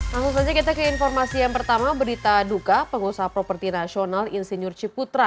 langsung saja kita ke informasi yang pertama berita duka pengusaha properti nasional insinyur ciputra